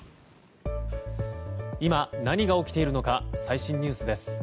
今何が起きているのか最新ニュースです。